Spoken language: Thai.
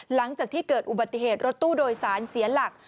หลังจากที่เกิดอุบัติเหตุรถตู้โดยสารเสียหลัก